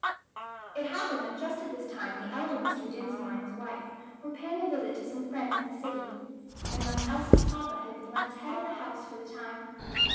It happened that just at this time the elder Mr. Dinsmore and his wife were paying a visit to some friends in the city, and thus Elsie's papa had been left head of the house for the time.